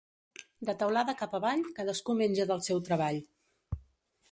De teulada cap avall, cadascú menja del seu treball.